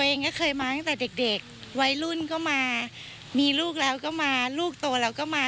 เองก็เคยมาตั้งแต่เด็กวัยรุ่นก็มามีลูกแล้วก็มาลูกโตแล้วก็มา